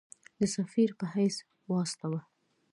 د سفیر په حیث واستاوه.